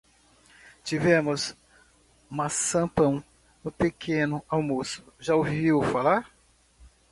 Tivemos maçapão no pequeno almoço. Já ouviu falar?